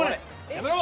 やめろ！